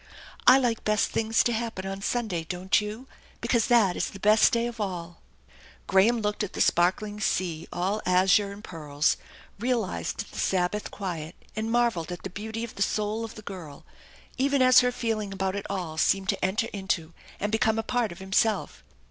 I like best things to happen on Sunday, don't you, because that is the best day of all ?" Graham looked at the sparkling sea all azure and pearls, realized the Sabbath quiet, and marvelled at the beauty of the soul of the girl, even as her feeling about it all seemed to snter into and become a part of himself.